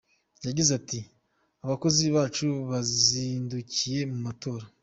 Yagize ati “Abakozi bacu bazindukiye mu matora.